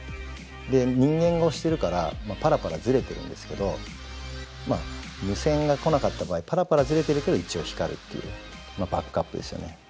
で人間が押してるからパラパラずれてるんですけど無線が来なかった場合パラパラずれてるけど一応光るっていうバックアップですよね。